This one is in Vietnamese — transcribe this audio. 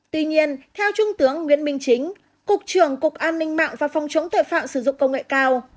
tuy nhiên theo trung tướng nguyễn minh chính cục trưởng cục an ninh mạng và phòng chống tội phạm sử dụng công nghệ cao